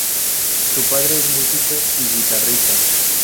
Su padre es músico y guitarrista.